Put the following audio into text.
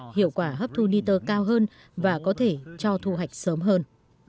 hiệu quả hấp thủ niter cao hơn và có thể cho thu hạch sớm hơn